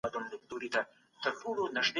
ایا د لمر وړانګې د انسان په هډوکو کي کلشیم جذبوي؟